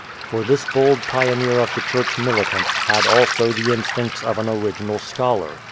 For this bold pioneer of the Church militant had also the instincts of an original scholar.